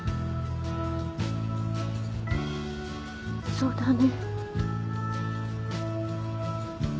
そうだね。